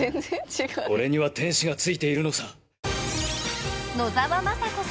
「俺には天使がついているのさ」